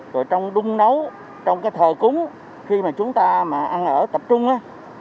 rồi trong đung nấu trong cái thờ cúng khi mà chúng ta mà ăn ở tập trung á